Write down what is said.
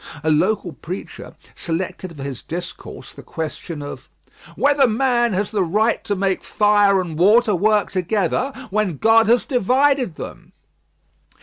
A local preacher selected for his discourse the question of "Whether man has the right to make fire and water work together when God had divided them.